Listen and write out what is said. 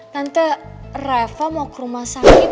tante rafa mau ke rumah sakit